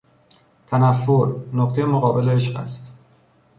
تنفر، نقطهی مقابل عشق است.